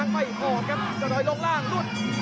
ไม่ออกครับจะนอยลงร่างลุด